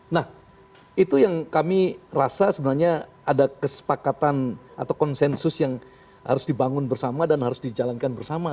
nah itu yang kami rasa sebenarnya ada kesepakatan atau konsensus yang harus dibangun bersama dan harus dijalankan bersama